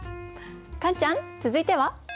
カンちゃん続いては？